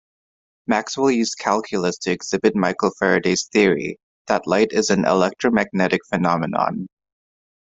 Maxwell used calculus to exhibit Michael Faraday's theory, that light is an electromagnetic phenomenon.